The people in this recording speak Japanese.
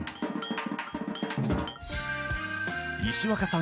石若さん